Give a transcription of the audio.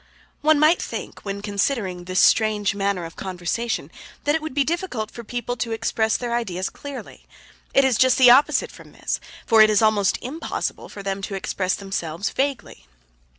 One might think, when considering this strange manner of conversation, that it would be difficult for the people to express their ideas clearly. It is just the opposite from this, for it is almost impossible for them to express themselves vaguely.